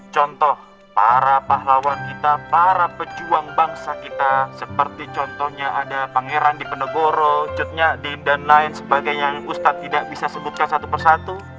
contoh para pahlawan kita para pejuang bangsa kita seperti contohnya ada pangeran dipenegoro cutnyadin dan lain sebagainya yang ustadz tidak bisa sebutkan satu persatu